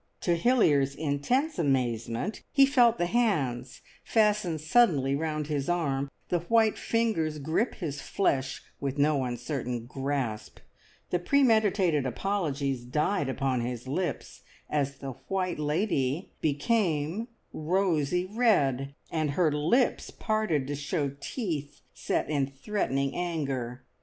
To Hilliard's intense amazement he felt the hands fasten suddenly round his arm, the white fingers grip his flesh with no uncertain grasp. The premeditated apologies died upon his lips, as the White Lady became rosy red, and her lips parted to show teeth set in threatening anger.